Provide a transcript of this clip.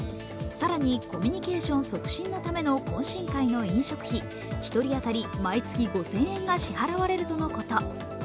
更にコミュニケーション促進のための懇親会の飲食費、１人当たり毎月５０００円が支払われるとのこと。